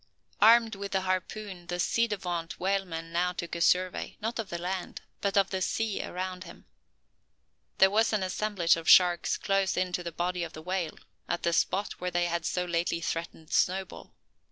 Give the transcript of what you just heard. Armed with the harpoon, the ci devant whaleman now took a survey, not of the land, but of the sea around him. There was an assemblage of sharks close in to the body of the whale, at the spot where they had so lately threatened Snowball.